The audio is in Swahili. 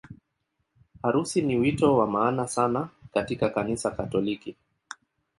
Harusi ni wito wa maana sana katika Kanisa Katoliki.